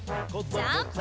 ジャンプ！